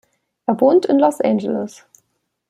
Er wohnt in Los Angeles.